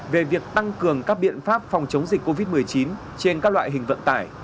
về việc tăng cường các biện pháp phòng chống dịch covid một mươi chín trên các loại hình vận tải